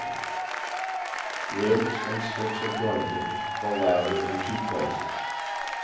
Ribs and sticks are jointed, the latter in two places.